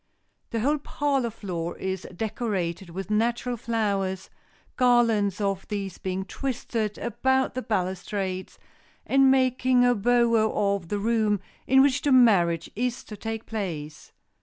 The whole parlor floor is decorated with natural flowers, garlands of these being twisted about the balustrades, and making a bower of the room in which the marriage is to take place.